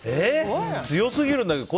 強すぎるんだけど。